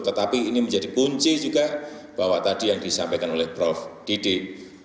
tetapi ini menjadi kunci juga bahwa tadi yang disampaikan oleh prof didik